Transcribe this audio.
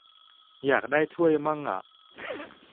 อยากได้ถ้วยมั่งอะ